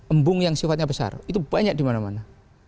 embung yang sifatnya besar itu banyak dimana mana